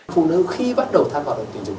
phụ nữ khi bắt đầu tham gia hoạt động tình dục